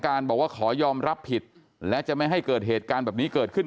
บอกว่าขอยอมรับผิดและจะไม่ให้เกิดเหตุการณ์แบบนี้เกิดขึ้น